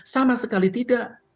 sama sekali tidak